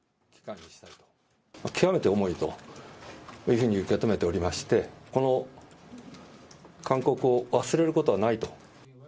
極めて重いというふうに受け止めておりまして、この勧告を忘れることはないと。